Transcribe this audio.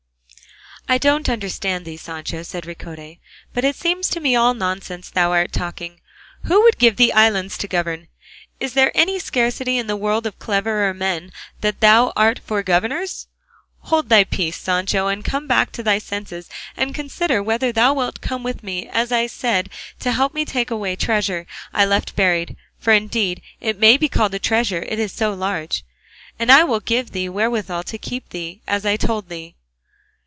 "I don't understand thee, Sancho," said Ricote; "but it seems to me all nonsense thou art talking. Who would give thee islands to govern? Is there any scarcity in the world of cleverer men than thou art for governors? Hold thy peace, Sancho, and come back to thy senses, and consider whether thou wilt come with me as I said to help me to take away treasure I left buried (for indeed it may be called a treasure, it is so large), and I will give thee wherewithal to keep thee, as I told thee."